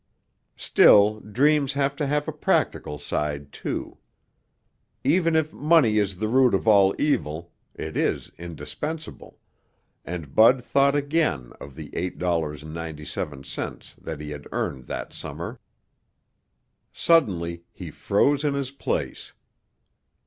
Still dreams have to have a practical side, too. Even if money is the root of all evil, it is indispensable, and Bud thought again of the $8.97 that he had earned that summer. Suddenly he froze in his place.